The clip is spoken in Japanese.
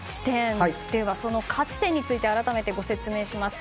では、その勝ち点について改めてご説明します。